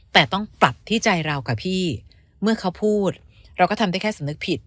แต่ต้องปรับที่ใจเรากับพี่เมื่อเขาพูดเราก็ทำได้แค่สำนึกผิด